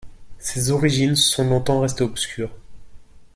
Ses origines sont longtemps restées obscures.